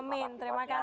amin terima kasih